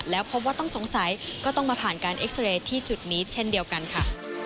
แล้วพบว่าต้องสงสัยก็ต้องมาผ่านการเอ็กซาเรย์ที่จุดนี้เช่นเดียวกันค่ะ